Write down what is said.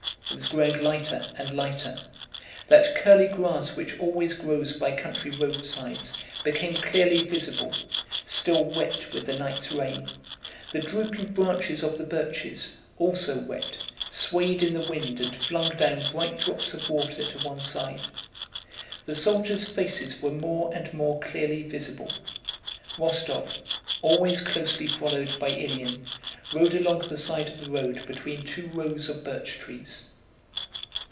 It was growing lighter and lighter. That curly grass which always grows by country roadsides became clearly visible, still wet with the night's rain; the drooping branches of the birches, also wet, swayed in the wind and flung down bright drops of water to one side. The soldiers' faces were more and more clearly visible. Rostóv, always closely followed by Ilyín, rode along the side of the road between two rows of birch trees.